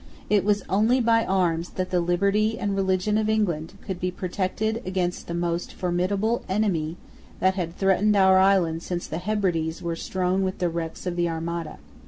It was only by arms that the liberty and religion of England could be protected against the most formidable enemy that had threatened our island since the Hebrides were strown with the wrecks of the Armada.